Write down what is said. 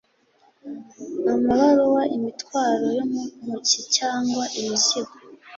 amabaruwa imitwaro yo mu ntoki cyangwa imizigo